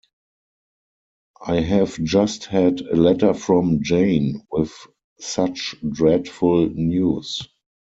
I have just had a letter from Jane, with such dreadful news.